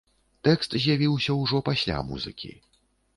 Тэкст з'явіўся ўжо пасля музыкі.